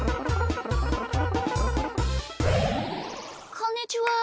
こんにちは。